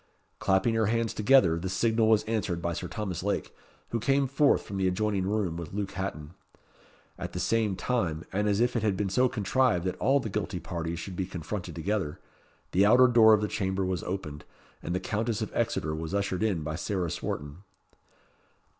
Clapping her hands together, the signal was answered by Sir Thomas Lake, who came forth from the adjoining room with Luke Hatton. At the same time, and as if it had been so contrived that all the guilty parties should be confronted together, the outer door of the chamber was opened, and the Countess of Exeter was ushered in by Sarah Swarton.